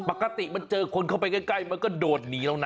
ปกติมันเจอคนเข้าไปใกล้มันก็โดดหนีแล้วนะ